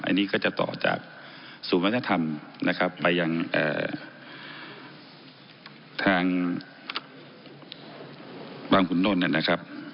อันนี้ก็จะต่อจากศูนย์วัฒนธรรมนะครับไปยังทางบางขุนนลนะครับ